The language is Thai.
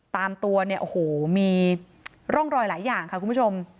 ตามตัวเนี่ยโอ้โหมีร่องรอยหลายอย่างค่ะคุณผู้ชม